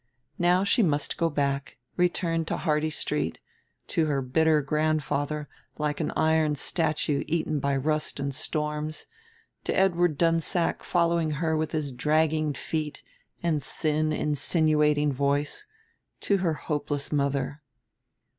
Now she must go back, return to Hardy Street, to her bitter grandfather like an iron statue eaten by rust and storms, to Edward Dunsack following her with his dragging feet and thin insinuating voice, to her hopeless mother.